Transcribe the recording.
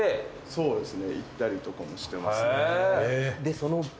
そうですね。